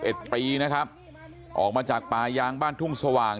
เอ็ดปีนะครับออกมาจากป่ายางบ้านทุ่งสว่าง